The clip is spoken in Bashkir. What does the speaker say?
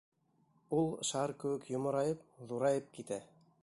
Ул шар кеүек йоморайып, ҙурайып китә.